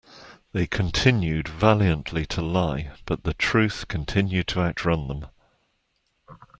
They continued valiantly to lie, but the truth continued to outrun them.